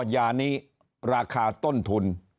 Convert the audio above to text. ยานี้ราคาต้นทุน